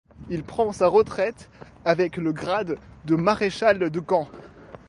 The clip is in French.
Il prend sa retraite avec le grade de Maréchal de camp.